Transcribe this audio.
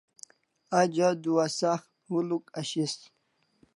Aj adua sak huluk ashis